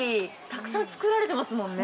たくさん作られていますもんね。